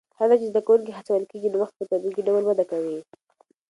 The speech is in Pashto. هر ځای چې زده کوونکي هڅول کېږي، نوښت په طبیعي ډول وده کوي.